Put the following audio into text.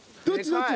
どっち？